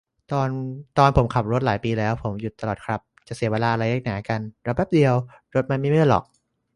ตอนผมขับ หลายปีแล้ว ผมหยุดตลอดครับ จะเสียเวลาอะไรนักหนากัน รอแป๊บเดียว รถมันไม่เมื่อยหรอก